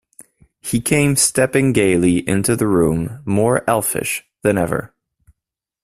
He came stepping gaily into the room, more elfish than ever.